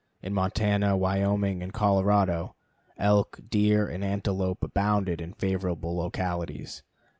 In Montana, Wyoming, and Colorado, elk, deer, and antelope abounded in favorable localities.